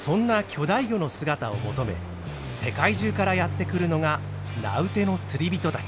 そんな巨大魚の姿を求め世界中からやって来るのが名うての釣り人たち。